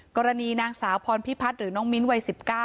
กรณีนางสาวพรพิพัฒน์หรือน้องมิ้นวัย๑๙